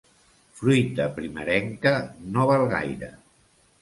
Fruita primerenca no val gaire.